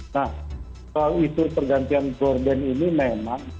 nah soal isu pergantian gordon ini memang